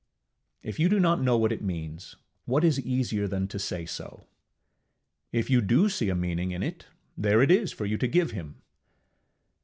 ŌĆØ If you do not know what it means, what is easier than to say so? If you do see a meaning in it, there it is for you to give him.